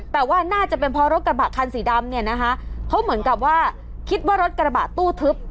แต่ว่าน่าจะเป็นเพราะรถกระบะคันสีดำเนี่ยนะคะเขาเหมือนกับว่าคิดว่ารถกระบะตู้ทึบ